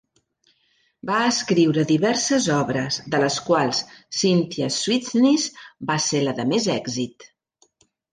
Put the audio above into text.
Va escriure diverses obres, de les quals Cynthia Sweetness va ser la de més èxit.